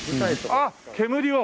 あっ煙を！